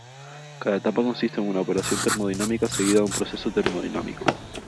Cada etapa consiste en una operación termodinámica seguida de un proceso termodinámico.